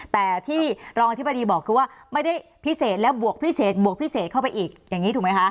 แต่ที่รองอธิบดีบอกคือว่าไม่ได้พิเศษและบวกพิเศษบวกพิเศษเข้าไปอีกอย่างนี้ถูกไหมคะ